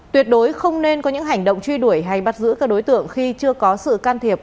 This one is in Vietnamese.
tuyệt đối không nên có những hành động truy đuổi hay bắt giữ các đối tượng khi chưa có sự can thiệp